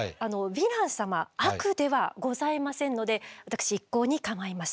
ヴィラン様悪ではございませんので私一向に構いません。